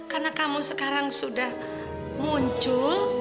karena kamu sekarang sudah muncul